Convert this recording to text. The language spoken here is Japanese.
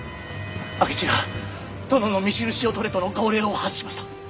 明智が殿の御首級を取れとの号令を発しました。